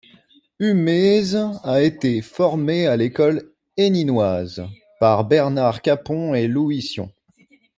Humez a été formé à l'école héninoise par Bernard Capon et Louis Sion.